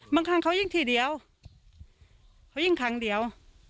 บางครั้งเขายิ่งทีเดียวเขายิ่งครั้งเดียว